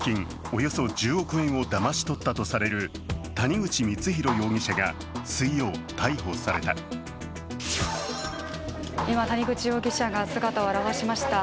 およそ１０億円をだまし取ったとされる谷口光弘容疑者が水曜、逮捕された今、谷口容疑者が姿を現しました。